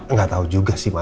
nggak tau juga sih ma